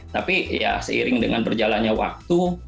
tapi ya seiring dengan berjalannya waktu